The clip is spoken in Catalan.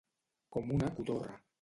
Com una cotorra.